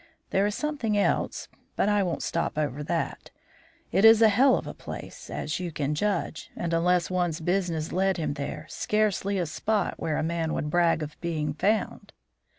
There is something else but I won't stop over that. It is a hell of a place, as you can judge, and unless one's business led him there, scarcely a spot where a man would brag of being found.